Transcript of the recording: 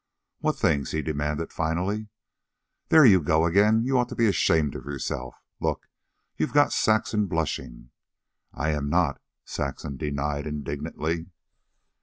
"What things?" he demanded finally. "There you go again! You ought to be ashamed of yourself. Look! You've got Saxon blushing!" "I am not," Saxon denied indignantly.